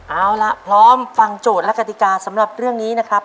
เอาล่ะพร้อมฟังโจทย์และกติกาสำหรับเรื่องนี้นะครับ